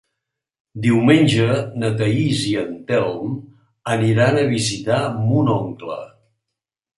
Diumenge na Thaís i en Telm aniran a visitar mon oncle.